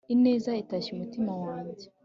ineza itashye umutima wanjye